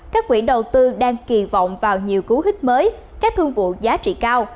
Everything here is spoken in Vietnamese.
các quỹ đầu tư đang kỳ vọng vào nhiều cú hích mới các thương vụ giá trị cao